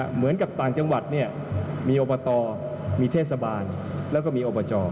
เหมือนกับต่างจังหวัดเนี่ยมีอบตมีเทศบาลแล้วก็มีอบจ